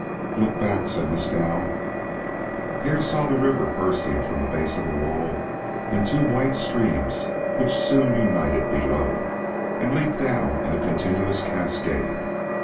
"Look back!" said Mescal. Hare saw the river bursting from the base of the wall in two white streams which soon united below, and leaped down in a continuous cascade.